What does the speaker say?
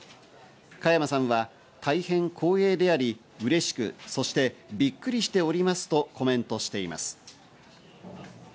加山さんは大変光栄であり、嬉しく、そしてビックリしておりますとコメントしています。